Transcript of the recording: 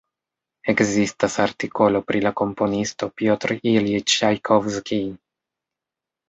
Ekzistas artikolo pri la komponisto Pjotr Iljiĉ Ĉajkovskij.